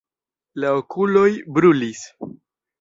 La okuloj brulis.